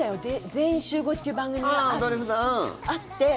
全員集合」っていう番組があって。